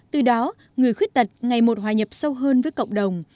từ đó người khuyết tật ngày một hòa nhập sâu hơn với cộng đồng